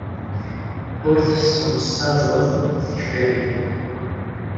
Ur tessemsadeḍ tiferyin.